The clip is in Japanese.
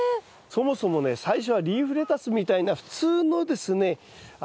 そもそもね最初はリーフレタスみたいな普通のですね